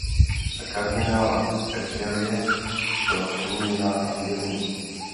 Za kardinála Richelieu byla přeměněna na vězení.